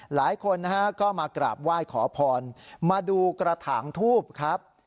หลายคนนะฮะก็มากราบไหว้ขอพรมาดูกระถางทูบครับ